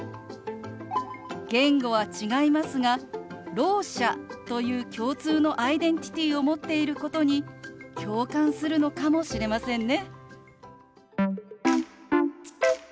言語は違いますがろう者という共通のアイデンティティーを持っていることに共感するのかもしれませんね。